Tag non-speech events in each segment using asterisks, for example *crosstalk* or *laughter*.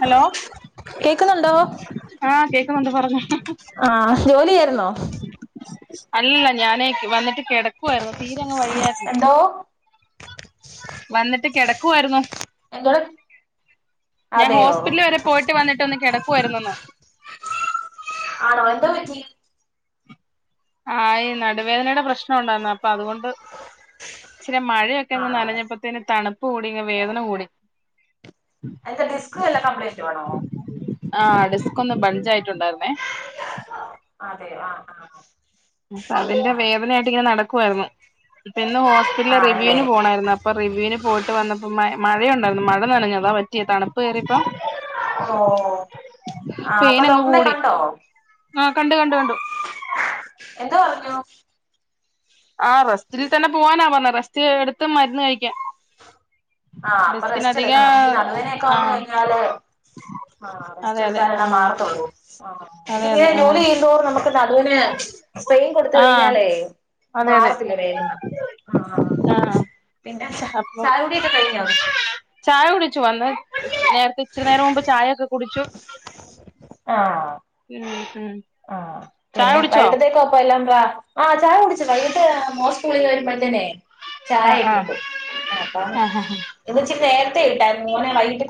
Hello, കേക്കുന്നുണ്ടോ ആ, കേൾക്കുന്നുണ്ട് പറഞ്ഞോ. ആ, ജോലി ചെയ്യാ ആയിരുന്നോ? അല്ലല്ല ഞാനേ വന്നിട്ട് കിടക്കുആ യിരുന്നു. തീരെങ്ങ് വയ്യായിരുന്നു. എന്തോ വന്നിട്ട് കിടക്കുവാ യിരുന്നു. എന്തോടെ ഞാൻ അതെയോ ഹോസ്പിറ്റൽ വരെ പോയിട്ട് വന്നിട്ട് ഒന്ന് കിടക്കുവായിരു ന്നന്ന്. ആണോ എന്തോ പറ്റി? ആ, ഈ നടുവേദനയുടെ പ്രശ്നം ഉണ്ടആയിരുന്നു അപ്പൊ അതുകൊണ്ട് ഇച്ചിരി മഴ ഒക്കെ ആണോ നനഞ്ഞപത്തിന്നു പിന്നെ തണുപ്പ് കൂടി വേദന കൂടി. എന്താ ഡിസ്കിന് വല്ല കംപ്ലൈന്റ് ആണോ? ആ, ഡിസ്ക് ഒന്ന് ബട്ഞ്ച് ആയിട്ടുണ്ടായിരുന്നേ. അതെ, ആ, ആ. അതിന്റെ വേദനയായിട്ട് ഇങ്ങനെ നടക്കുവായിരുന്നു. ഇപ്പൊ ഇന്ന് ആഹ് ഹോസ്പിറ്റലിലെ ആണല്ലേ റിവ്യൂന് പോണയിരുന്നു. അ അ പ്പൊ റിവ്യൂവിന് പോയിട്ട് വന്നപ്പോ മ മഴയുണ്ടായിരുന്നു. മഴ നനഞ്ഞതാ പറ്റിയ തണുപ്പ് കേറിയിപ്പോ ഓ. ആ, അപ്പൊ പെയിൻ അങ്ങ് ഡോക്ടറിനെ കൂടി കണ്ടോ? ആഹ് കണ്ടു കണ്ടു കണ്ടു എന്തോ പറഞ്ഞു? ആ, റസ്റ്റിൽ തന്നെ പോവാനാ പറഞ്ഞ റസ്റ്റ് എടുത്ത് മരുന്ന് കഴിക്ക ആ, അപ്പൊ റെസ്റ്റ് എടുക്കണം. നമുക്ക് ഈ നടുവേദനൊക്കെ ആ വന്ന് കഴിഞ്ഞാല് ആ, അതെ റസ്റ്റ് അതെ ആ എടുത്താലല്ല മാറത്തോള്ളൂ. അതെ ഇങ്ങനെ അതെ ആ ജോലിയ്യന്തോർ നമുക്ക് നടുവിന് പെയിൻ കൊടുത്ത ആ കഴിഞ്ഞാലേ അതെ അതെ മാറത്തില്ല വേദന. ആ, ആ പിന്നെ അപ്പം ചായകുടി കഴിഞ്ഞോ? ചായ കുടിച്ചു വന്ന് നേരത്തെ ഇച്ചിരി നേരം മുമ്പ് ചായൊക്കെ കുടിച്ചു. ആഹ് ഉം ഉം ആഹ് ചായ പിന്നെ കുടിച്ചോ വൈകിട്ടത്തേക്കപ്പല്ലാം പ്രാ ആഹ് ചായ കുടിച്ചു വൈകിട്ട് മോൻ സ്കൂളന്ന് വരുമ്പോഴത്തിൻ ആ ആ ചായക്കെടു ആ അപ്പം- ഇന്ന്ച്ചി നേരത്തെ ഇട്ടാര്ന്നു മോനെ വൈകിട്ട്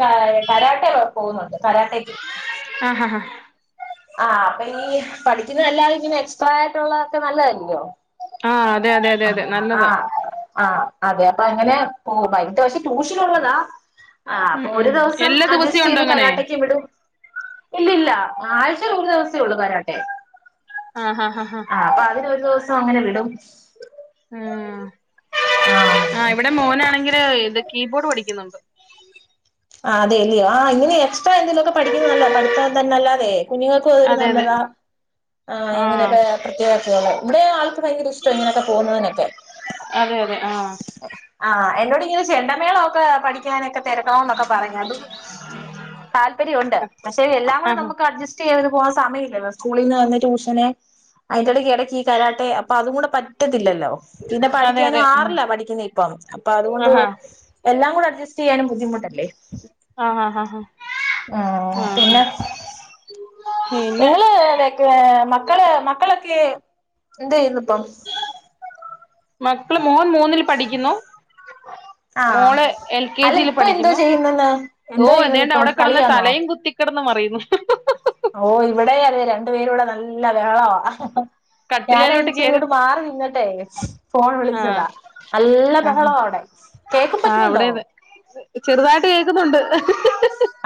കരാട്ടെ പോകുന്നുണ്ട് കരാട്ടേക്ക്. ആഹ് ഹാ ഹാ ആഹ് അപ്പൊനി ഈ പഠിക്കുന്നതല്ലാത പിന്നെ എക്സ്ട്രാ ആയിട്ടുള്ളതൊക്കെ നല്ലതല്ലോ? ആ അതെ അതെ അതെ അതെ ആഹ് നല്ലതാ ആഹ് ആഹ് അതെ അപ്പൊങ്ങനെ പോവും ബയ്ട്ടഷ ട്യൂഷനുള്ളതാ അ അപ്പൊ ഉം ഒരു ഉം ദിവസം എല്ലാ ദിവസവും അഡ്ജസ്റ്റ് ഉണ്ടോ ചെയ്ത് അങ്ങനെ കരാട്ടക്ക് വിടും. ഇല്ലല്ല ആഴ്ചൽ ഒരു ദിവസേ ഉള്ളു കരട്ടെ. ആ ആ ആ ആ ആഹ് അപ്പൊ അതിനരു ദിവസം അങ്ങനെ വിടും. മ് ആഹ് ഇവിടെ മോനാണെങ്കില് ഇത് കീബോർഡ് പഠിക്കുന്നുണ്ട്. ആഹ് അതെ ല്ലേ ആ ഇങ്ങനെ എക്സ്ട്രാ എന്തെലക്കെ പഠിക്കുന്നത നല്ല പഠത്താന്നല്ലാതെ കുഞ്ഞങ്ങ ക്കൊരു അതെ അതെ നല്ലതാ ആ അങ്ങനെ *unintelligible* *unintelligible* ഇവിടെ ആൾക്ക് ഭയങ്കര ഇഷ്ടം ഇങ്ങനൊക്കെ പോകുന്നതിനൊക്കെ. അതെ അതെ ആഹ് ആഹ് എന്നൊടിങ്ങനെ ചെണ്ടമേള ഒക്കെ പഠിക്കാനൊക്കെ തിരക്കണംന്നൊ താല്പര്യണ്ട് പക്ഷേ എല്ലാം കൂടെ ആഹ് നമുക് അഡ്ജസ്റ്റ് ചെയ്ത് പോവാൻ സമയല്ലല്ലോ സ്കൂളിൽന്ന് വന്ന് ട്യൂഷന്. അയിന്റെട്ക്ക്‌ ഇടക്ക് ഈ കരാട്ടെ അപ്പൊ അതും കൂടെ പറ്റത്തില്ലല്ലോ? പിന്നെ അതെ പഠിക്കാനും അതെ ആഹ് ആറില പഠിക്കുന്ന ഇപ്പം. അപ്പൊ അതുകൊണ്ട് ആഹാ എല്ലാം കൂടെ അഡ്സ്റ്റയ്യാനും ബുദ്ധിമുട്ടല്ലേ? ആഹ് ഹ ഹ ഹ ഉം ആഹ് പിന്നെ പിന്നെ ക്കെ മക്കള മക്കളക്ക് എന്തയ്യ്ന്ന്പ്പം? മക്കള് മോൻ മൂന്നിൽ പഠിക്കുന്നു. *inaudible* ആഹ് മോള് എൽ കെ അല്ല ജിയിൽ ഇപ്പൊ എന്തോ പഠിക്കുന്നു ചെയ്യുന്നന്ന്? എന്തോ ചെയ്യുന്ന ഇപ്പൊ കളിയാണോ? കെടന്ന് മറയുന്നു. ഓ ഇവിടെ അതെ രണ്ടു പേരൂടെ നല്ല ബഹളവാ. കട്ടിലേലോട്ട് ഞാൻയ്ച്ച കേറി ഇങ്ങട്ട് മാറി നിന്ന് ട്ടെ ഫോൺ ആഹ് വിളിച്ചതാ നല്ല ആഹ് ബഹളവാ അവിടെ കേക്കാൻ ആഹ് അവിടെ പറ്റുന്നുണ്ടോ? അതെ ചെറുതായിട്ട് കേക്കുന്നുണ്ട്.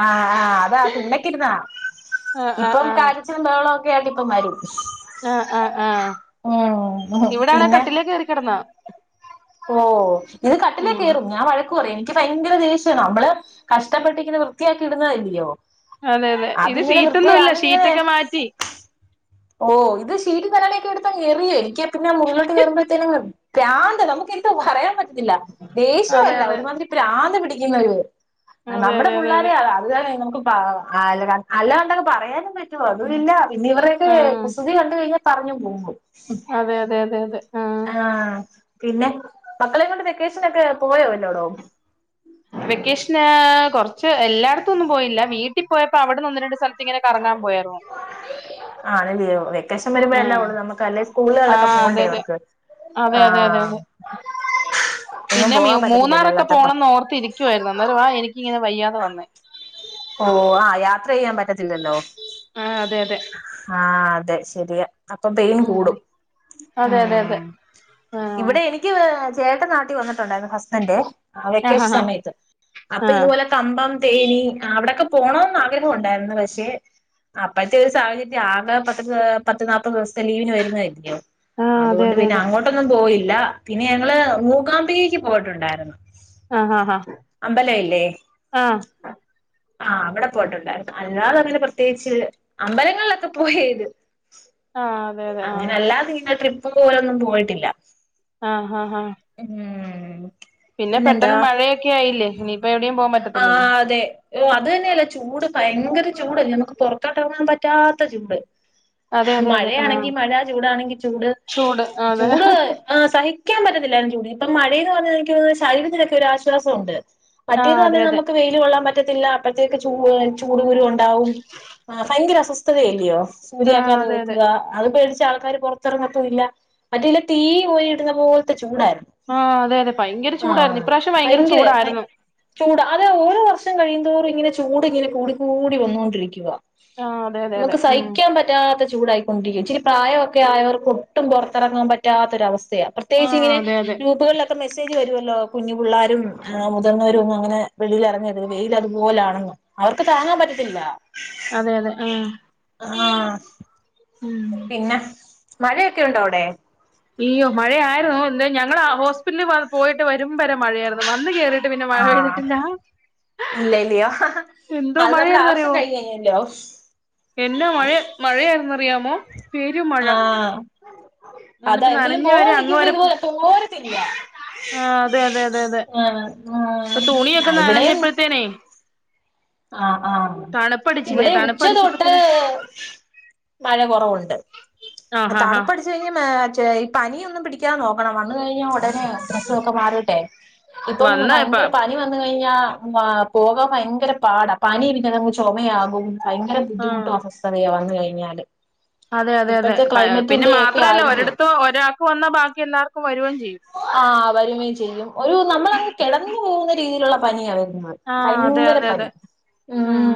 ആഹ് ആഹ് അതാ തിണക്കിരുന്നാ ആഹ് ആഹ് ഇപ്പം കാ ആഹ് ഒച്ചുംബഹളവും ക്കായിട്ട് ഇപ്പ വരും. ആ ആ ആഹ് ഉം ഇവിടെണ് പിന്നെ കട്ടിലേ കേറി കടന്നാ ഓ ഇത് കട്ടിൽ ഉം കെയറും ഞാൻ വഴക്ക് പറയും. എനിക്ക് ഭയങ്കര ദേഷ്യണ് നമ്മള് കഷ്ടപ്പെട്ടി ഇങ്ങനെ വൃത്തിയാക്കി ഇടുന്നതല്ലയോ. അതെ അതെ ഇത് അതിങ്ങനെ വൃത്തി ഷീറ്റൊന്നും ഇല്ല അതിങ്ങനെ ഷീറ്റൊക്കെ മാറ്റി. ഓ ഇത് ശീറ്റും തലയണക്കെ എടുത്തങ് എറിയോ. എനിക്കാ പിന്നെ മുകളിലോട്ട് കേയറുമ്പഴത്തേനും പ്രാന്ത നമുക്ക എന്താ പറയാൻ പറ്റുന്നില്ല അതെ ദേഷ്യല്ല അതെ ഒരുമാതിരി പ്രാന്ത പിടിക്കുന്ന ഒരു അതെ നമ്മുടെ അതെ അതെ അതെ പിള്ളോരെയ അത് തന്നെ നമുക്ക് പാവ അല്ല *unintelligible* അല്ല കണ്ടൊക്കെ പറയാനും പറ്റേ അതുല്ല പിന്നെ ഇവടെക്കെ ആഹ് കുസൃതി കണ്ട് കഴിഞ്ഞ പറഞ്ഞു പോക്കും ഉം. അതെ അതെ അതെ അതെ. ആഹ്. പിന്നെ മക്കളെയേ കൊണ്ട് വെക്കേഷന് ഒക്കെ പോയോവല്ലോടോം. വെക്കേഷന് കൊറച്ച് എല്ലായിടത്തും ഒന്നും പോയില്ല വീട്ടിൽ പോയപ്പോ അവിടെന്ന് ഒന്ന് രണ്ട് സ്ഥലത്ത് ഇങ്ങനെ കറങ്ങാൻ പോയിരുന്നു. ആഹ് ന്നാല്ല്യോ വെക്കേഷൻ വരുമ്പോഴ അല്ലേ ആഹ് ഉള്ളൂ നമുക്ക് അല്ലേ സ്കൂളുകളിലൊക്കെ അതെ പോവണ്ടേ അതെ അവർക്ക്. അതെ അതെ അതെ അതെ. എങ്ങും പിന്നെ പോവാൻ മ്യു പറ്റത്തില്ലല്ലോ മൂന്നാറൊക്കെ അല്ലാത്തപ്പം പോണംന്ന് ഓർത്തി ഇരിക്കുവായിരുന്നു അന്നേര വാ എനിക്ക് ഇങ്ങനെ വയ്യാതെ വന്നേ. ഓഹ് ആഹ് യാത്ര ചെയ്യാൻ പറ്റത്തില്ലല്ലോ. ആഹ് അതെ അതെ. ആഹ് അതെ ശരിയാ. അപ്പൊ പെയിൻ ഉം കൂടും അതെ അതെ അതെ ഉം ഇവിടെ ആഹ് എനിക്ക് എനിക്ക് ചേട്ട നാട്ടി വന്നിട്ടുണ്ടായിരിന്ന് ഹസ്ബൻഡന്റെ ആഹ് വെക്കേഷൻ ആഹ് സമയത്ത് അപ്പൊ ആഹ് ഇതുപോലെ കമ്പം തേനി അവിടെയൊക്കെ പോണംന്ന് ആഗ്രഹം ഉണ്ടായിരുന്നു പക്ഷെ അപ്പോഴത്തെ ഒരു സാഹചര്യത്തി ആകെ പത്ത് പത്ത് നാല്പ്പത് ദിവസത്തെ ലീവിന് വരുന്നായല്ല്യോ. ആഹ് അതെ അതുകൊണ്ട് അതെ പിന്നെ അതെ അങ്ങോട്ടൊന്നും പോയില്ല പിന്നെ ഞങ്ങള് മൂകാംമ്പികേക്ക് പോയിട്ടുണ്ടായിരുന്നു. ആഹ് ആഹ് ഹഹ അമ്പലം ഇല്ലേ ആഹ് ആഹ് അവിടെ പോയിട്ടുണ്ടായിരുന്നു അല്ലാതെ അങ്ങനെ പ്രത്യേകിച്ച് അമ്പലങ്ങളിലൊക്കെ പോയേത്. ആഹ് അതെ അതെ ആഹ് അങ്ങനെല്ലാതിന്നെ ട്രിപ്പ് പോലൊന്നും പോയിട്ടില്ല. ആഹ് ആഹ് ആഹ്. ഉം. പിന്നെ പിന്നെന്താ പെട്ടെന്ന് മഴയൊക്കെ ആയില്ലേ ഇനിയിപ്പ എവിടെയും പോവാൻ ആ പറ്റത്തില്ലല്ലോ. അതെ. ഓഹ് അത് തന്നെയല്ല ചൂട് ഭയങ്കര ചൂടല്ലേ നമുക്ക് പൊറത്തോട്ടെറങ്ങാൻ പറ്റാത്ത ചൂട്. അതെ അതെ അതെ ആഹ് മഴയാണെങ്കി മഴ ചൂടാണെങ്കി ചൂട് ചൂട് അതെ ചൂട് ആഹ് സഹി ക്കാൻപറ്റത്തില്ലര്ന്ന് ചൂടി ഇപ്പൊ മഴേന്ന് പറഞ്ഞ ശരത്തിലൊക്കെ ഒരു ആശ്വാസൊണ്ട്. മറ്റേത് ആഹ് അതെ പറഞ്ഞൽ അതെ നമക്ക് വെയില് കൊള്ളാൻ പ പറ്റത്തില്ല അപ്പഴത്തേക്ക് ചൂ ചൂടു കുരു ഒണ്ടാവും ഭയങ്കര അസ്വസ്ഥതയല്ലിയോ? *unintelligible* ആഹ് ചൂരിയാക്കാതെ അതെ അതെ വെക്കുക അത് പേടിച്ച് ആൾക്കാര് പൊറത്തിറങ്ങത്തുംല്ല മറ്റേല്ല തീ കോരിടുന്ന പോലത്തെ ചൂടായിരുന്നു. ആഹ് അതെ അതെ ഭയങ്കര ചൂടായിരുന്നു ആഹ് ഇപ്രാവശ്യം ഭയങ്കര ഭയ ചൂടായിരുന്നു. ചൂട് അതെ ഓരോ വർഷം കഴിയന്തോറും ഇങ്ങനെ ചൂട് ഇങ്ങനെ കൂട കൂടി വന്നുകൊണ്ടിരിക്കുവ. ആഹ് അതെ അതെ അതെ നമക്ക് ഉം സഹിക്കാൻ പറ്റാത്ത ചൂടായി. ണ്ടുകെയും ഇച്ചിരി പ്രായമൊക്കെ ആയവർക്ക് ഒട്ടും പൊറത്തിറങ്ങാൻ പറ്റാത്തൊരവസ്ഥയ- പ്രത്യേകിച്ച് ആഹ് ഇങ്ങനെ അതെ അതെ ഗ്രൂപുകളൊ മെസ്സേജ് വരുമല്ലോ കുഞ്ഞു പിള്ളാരും മുതിർവരും ഒന്നും അങ്ങനെ വെളി എറങ്ങര്ത് വെയിൽ അതുപോലാണെന്ന് അവർക്ക് താങ്ങാൻ പറ്റത്തില്ല- അതെ അതെ ആഹ്. ആഹ്. ഉം. പിന്നെ മഴയൊക്കെ ഉണ്ടോ അവിടെ? അയ്യോ മഴയായിരുന്നു എന്താ ഞങ്ങള് ഹോസ്പിറ്റല പോയിട്ട് വരുമ്പ വരെ മഴയായിരുന്നു വന്ന് കേറി പിന്നെ മഴ ആഹ് പെയ്തിട്ടില്ല. ഇല്ല ഇല്ലയോ എന്തോ അത് നമ്മുടെ ആവശ്യം കഴിഞ്ഞഴിഞ്ഞല്ലോ. എന്ന മഴ മഴയായിന്നറിയാമോ പെരു മഴ ആഹ് അതാ എന്നിട്ട് എന്തെങ്കിലും നനഞ്ഞ വരെ പോവാൻ അങ്ങ് നിക്കുമ്പോ വരെ ഇതുപോലെ തോരത്തില്ല ആഹ് അതെ അതെ അതെ അതെ ആഹ് ആഹ് ഇപ്പൊ തുണിയൊക്കെ ആഹ് ഇവിടെയും നനഞ്ഞപ്പോഴത്തേനെ ആഹ് ആഹ് തണുപ്പടിച്ചില്ലേ ഇവിടെ ഉച്ച തോട്ട് തണുപ്പടിച്ചപ്പോത്തിന് മഴ കുറവുണ്ട് ആഹ് ഹാ ഹാ തണുപ്പ് അടിച്ചു കഴിഞ്ഞ ഈ പനിയൊന്നും പിടി നോക്കണം വന്ന് കഴിഞ്ഞ ഉടനെ ഡ്രൊസോക്കെ മാറിയിട്ടെ ഇപ്പൊ വന്ന ഇപ്പ ഭയങ്കര പനി വന്ന കഴിഞ്ഞാൽ പോകാൻ ഭയങ്കര പാട പനി ചോമയാകും ഭയങ്കര ആഹ് ബുദ്ധിമുട്ടും അസ്വസ്ഥതയാ വന്നു കഴിഞ്ഞാല് അതെ അതെ അതെ ഇപ്പഴത്തെ പിന്നെ ക്ലൈമറ്റിന്റെ ഒക്കെ മാത്രല്ല ആയിരിക്കും ഒരിടത്ത് ഒരാൾക്ക് വന്നാ ബാക്കി എല്ലാവർക്കും വരുകയും ചെയ്യും ആഹ് വരുക്കയും ചെയ്യും ഒരു നമ്മളങ്ങ് കെടന്നു പോകുന്ന രീതിയിലുള്ള പനിയ വരുന്നെ ആഹ് അതെ അതെ അതെ ഉം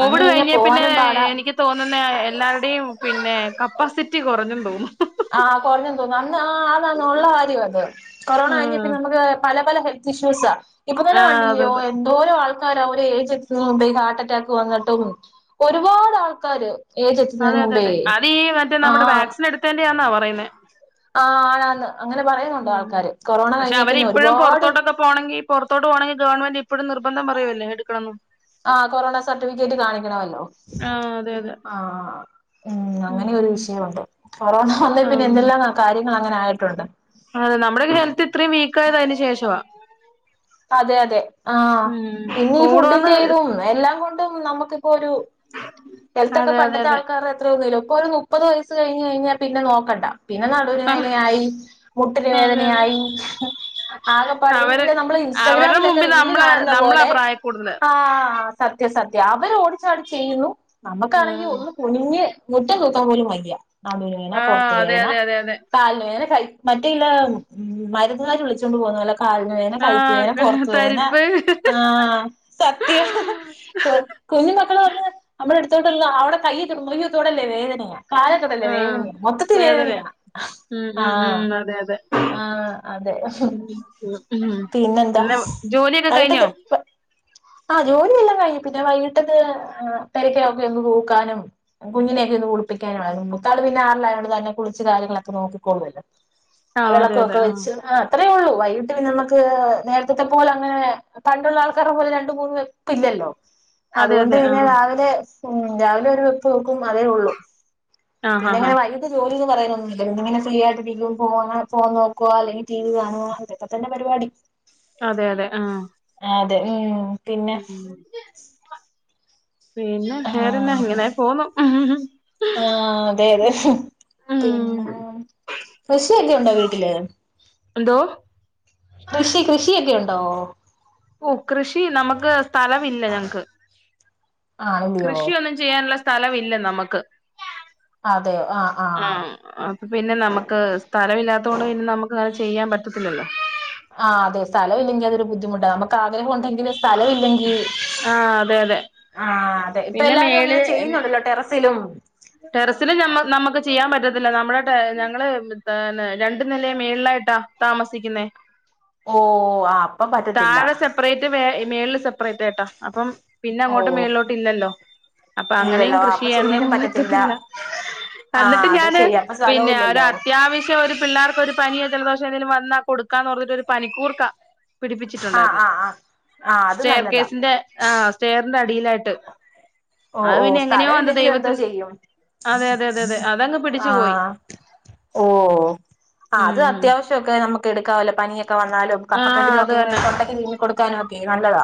വന്ന് കഴിഞ്ഞാ കഴിഞ്ഞ പിന്നെ പോവാനും പാടാ എനിക്ക് തോന്നുന്ന എല്ലാരുടെയും പിന്നെ കപ്പാസിറ്റി കുറഞ്ഞു തോന്നുന്നു ആഹ് കുറഞ്ഞന്ന് തോന്നുന്നു അന്ന് ആഹ് അതാണ് ഉള്ള കാര്യം അത് കൊറോണ കഴിഞ്ഞപ്പ ഉം നമുക്ക് പല പല ഹെൽത്ത് ഇഷ്യൂസ ഇപ്പൊ തന്നെ ആഹ് അതെ കണ്ടില്ലിയോ അതെ ന്താരോ ആൾക്കാര ഒരു ഏജ് ത്തും മുമ്പ ഹാർട്ട് അറ്റാക്ക് വന്നിട്ടും ഒരുപാട് ആൾക്കാര് ഏജ് അതെ എത്തുന്നതിന് അതെ മുമ്പേ അതെ അത ഈ മറ്റേ നമ്മുടെ വാക്സിൻ എടുത്തേണ്ടാന്നാ പറയുന്ന ആ ആണാന്ന് അങ്ങനെ പറയുന്നുണ്ട് ആൾക്കാര് കൊറോണ കഴിഞ്ഞ പിന്നെ ഒരുപാട് പോണെങ്കിൽ പൊറത്തട്ട് പോണെങ്ക ഗവൺമെന്റ് ഇപ്പോഴ നിർബന്ധം പറയുവല്ലേ എടുക്കണംന്ന് ആഹ് കൊറോണ സർട്ടിഫിക്കറ്റ് കാണിക്കണമല്ലോ ആഹ് അതെ അതെ ആഹ് ഉം അങ്ങനെ ഒരു വിഷയമുണ്ട് കൊറോണ വന്നെൽ പിന്നെ ആഹ് എന്തെല്ലാം കാര്യങ്ങൾ അങ്ങനെ ആയിട്ടുണ്ട് അതെ നമ്മുടെ ഹെൽത്ത് ഇത്രയും വീക്കായത് അതിനന് ശേഷവാ അതെ അതെ ആഹ് ഉം പിന്നെ ഈ കോവിഡ് വന്ന് ഫുഡിന്റെ ഇതും എല്ലാം കൊണ്ടും നമുക്ക് ഒരു ഹെൽത്തൊക്കെ അതെ അതെ പണ്ടത്തെ അതെ ആൾക്കാരുടെ എത്ര ഇപ്പോ ഒരു മുപ്പത് വയസ്സ് കഴിഞ് കഴിഞ്ഞാൽ പിന്നെ നോക്കണ്ട പിന്നെ നടുവിന് ആഹ് വേദനയായി മുട്ടന് അതെ അതെ വേദനയായി ആകപ്പാടി അവര് നമ്മള് അവരുടെ ഇൻസ്റ്റാഗ്രാമിലൊക്കെ മുമ്പിൽ റീൽ നമ്മള കാണുന്ന നമ്മളാ പോലെ പ്രായ കൂടുതല് ആഹ് സത്യ സത്യം അവർ ഓടിച്ചാടി ചെയ്യുന്നു നമുക്കാണെങ്കിൽ ഒന്ന് കുനിഞ്ഞ് മുറ്റം തൂക്കാൻ പോലും വയ നടുന് വേദന ആഹ് പൊറത് അതെ വേദന അതെ അതെ അതെ കാലിന് വേദനെ കൈ മറ്റേല്ല മരുന്നുകാര് വിളിച്ചുകൊണ്ട് പോകുന്നു അല്ല കാലിന് വേദനെ കൈ ന ആഹ് പൊറത്തു വെദന തരിപ്പ് ആഹ് സത്യ കൊ കുഞ്ഞു മക്കൾ വന്ന് നമ്മുടെ അടുത്തോട്ട്ന്ന് അവിടെ കയ മൊയ്യത്തോടല്ലേ വേദനയാണ് കാലേൽ തൊടല്ലേ ആഹ് വേദനയാ മൊത്തത്തിൽ വേദനയാ ഉം ഉം ആഹ് ഉം അതെ അതെ ആഹ് അതെ ഉം പിന്നെന്താ പിന്നെ ജോലിയൊക്കെ കഴിഞ്ഞോ വൈകിട്ടത് ആഹ് ജോലിയെല്ലാം കഴിഞ് പിന്നെ വൈകിട്ടന്ന് തിരക്കക്കെ എങ്ങ് തൂക്കാനും കുഞ്ഞിനെയ ഒക്കെ ഒന്ന് കുളിപ്പിക്കാന മൂത്താള് പിന്നെ ആറിലായോ തന്നെ കുളിച്ച് കാര്യങ്ങളൊക്കെ നോക്കിക്കോള്ളൂല്ലോ ആഹ് വിളക്കോക്കെ വെച്ച് ആഹ് അത്രേ ഉള്ളൂ വൈകിട്ട്ന്ന നമുക്ക് നേരത്തെ പോലെ അങ്ങനെ പണ്ടുള്ള ആൾക്കാരെ പോലെ ര ണ്ട്മൂന്ന് വെപ്പ് ഇല്ലല്ലോ അതെ അതുകൊണ്ട് അതെ പിന്നെ ആഹ് രാവിലെ ഉം രാവിലെ ഒരു വെപ്പ് വെയ്ക്കും അതേ ഉള്ളൂ ആഹ് പിന്നെ ആഹ് എങ്ങനെ ആഹ് വൈ ഇ ജോലിന്ന് പറയാന ഒന്നുമില്ല ല്ലോ ഇങ്ങനെ ഫ്രീയിട്ടിരിക്കും ഫോ ഫോൺ നോക്കുവാ അല്ലെങ്കിൽ ടി വി കാണുവ അതൊക്കെ തന്നെ പരിപാടി അതെ അതെ ആഹ് ആഹ് അതെ ഉം പിന്നെ മം പിന്നെ ആ വേറെന്നെ ഇങ്ങനെ പോന്നു ആഹ് അതെ അതെ, ഉം പിന്നെ കൃഷിവല്ലോം ണ്ടോ വീട്ടില് എന്തോ കൃഷി കൃഷിയൊക്കെ ഉണ്ടോ? ഓഹ് കൃഷി നമുക്ക് സ്ഥലം ഇല്ല ഞങ്ങക്ക്, ആണല്ലയോ കൃഷി ഒന്ന് ചെയാനുള്ള സ്ഥലംവില്ല നമക്ക് ആ പിന്നെ നമുക്ക് സ്ഥലം ഇല്ലാത്തോണ്ട് പിന്നെ നമുക്ക് അങ്ങനെ ചെയ്യാൻ പറ്റത്തില്ലല്ലോ ആഹ് അതെ സ്ഥലം ഇല്ലെങ്കിൽ അതൊരു ബുദ്ധിമുട്ടാ, നമുക്ക് ആഗ്രഹം ഉണ്ടെങ്കിൽ സ്ഥലമില്ലെങ്കിൽ ആഹ് അതെ അതെ ആഹ് അതെ, ഇപ്പൊ പിന്നെ എല്ലാരും അങ്ങനെ ചെയ്യുന്നുണ്ടല്ലോ ടെറസിലും ടെറസിലും ഞമ്മ നമ്മുക്ക് ചെയ്യാൻ പറ്റത്തില്ല നമ്മുടെ ഞങ്ങള്ൾന്നെ രണ്ടു നിലയ മേളിലായിട്ടാ താമസിക്കുന്നേ ഓ അപ്പ പറ്റത്തില്ല ന്റെ മേ മേളിൽ സെപ്പറേറ്റ് ആയിട്ടാ അപ്പം പിന്നെ അങ്ങോട്ട് ഓഹ് മേളിലോട്ട് ഇല്ലല്ലോ അപ്പൊ അങ്ങനെയും ഇല്ലല്ലോ ആ കൃഷി അപ്പൊ ചെയ്യാ ൻ ചെയ്യാനും പറ്റത്തില്ല പറ്റില്ല, ആഹ് എന്നിട്ട് അത് ഞാന് ശരിയാ അപ്പൊ സ്ഥലവും പിന്നെ ഒരു ഇല്ലല്ലോ അത്യാവശ്യം ഒരു പിള്ളേർകൊരു പനിയോ ജലദോഷോ എന്തെിലും വന്നാ കൊടുക്കാന്ന് പറഞ്ഞിട്ടൊരു പനിക്കൂർക്കാ ആഹ് പിടിപ്പിച്ചിട്ടുണ്ടായിരുന്നു, ആഹ് ആഹ് ആഹ് അത് സ്റ്റെയർ നല്ലതാ കേസിന്റെ ആ സ്റ്റെയറിന്റെ അടിയിലായിട്ട് ഓ അത് ഓ പിന്നെ എങ്ങനെയോ സ്ഥലോ അത് ഇല്ലെങ്കിലും എന്തോ ദൈവത്തിൻ ചെയ്യും അതെ അതെ അതെ അതെ അതങ്ങ് പിടിച്ചു പോയി ആഹ് ഓഹ് ആ അത് ഉം അത്യാവശ്യം ഒക്കെ നമുക്ക്ടുക്കാവല്ല പനിയൊക്കെ വന്നാലും ആ അത് കഫക്കെട്ടിനോക്കെ തന്നെ തൊട്ടക്കക്ക്ങ്ങി കൊടുക്കാനും ഒക്കെ നല്ലതാ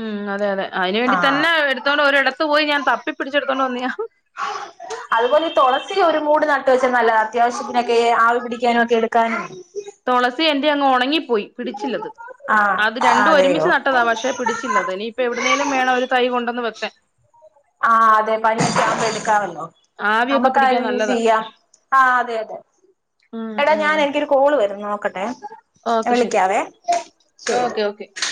ഉം അതെ അതെ, അതിനന് വേണ്ടി ആഹ് തന്നെ എടുത്തോണ്ട് ഒരിടത്ത് പോയി ഞാൻ തപ്പിപ്പടിച്ചെടുത്തോണ്ടണ്ട് വന്നിയ അതുപോലെ ഈ തുളസസി ഒരു മൂട് നട്ട് വെച്ചാ നല്ലതാ, അത്യാവശ്യത്തിനൊക്കെ ആവി പിടിക്കാനും ഒക്കെ എടുക്കാനും തുളസി എന്റെ അങ്ങ് ഉണങ്ങിപ്പോയി പിടിച്ചില്ലത് ആഹ് അത്, രണ്ടും അതെയോ ഒരുമിച്ച് നട്ടതാ പക്ഷെ പിടിച്ചി ച്ചില്ല അത് ഇനിപ്പോ എവിടുന്നേലും വേണം ഒരു തൈ കൊണ്ടെന് വെകാൻ ആഹ് അതെ പനി എടുക്കാമല്ലോ ആവിയൊക്കെ പിടിക്കാൻ നമ്മുക്കാര് യൂസ് നല്ലതാ. ചെയ്യാം ആഹ് അതെ അതെ, ഉം എടാ ഉം ഞാൻ എനിക്കൊരു കോള് വരുന്നു നോക്കട്ടെ ഓക്കെ ശരി. വിളിക്കാവേ, ഓക്കെ ഓക്കെ. ശരി